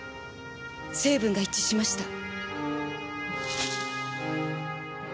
成分が一致しました。